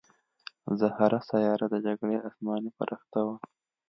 زهره سیاره د جګړې اسماني پرښته وه